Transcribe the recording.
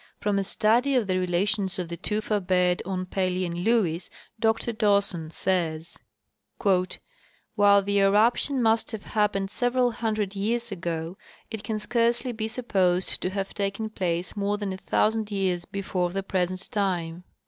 From a study of the rela tions of the tufa bed on the Pelly and Lewes Dr Dawson says :" While the eruption must have happened several hundred years ago, it can scarcely be supposed to have taken place more than a thousand years before the present time."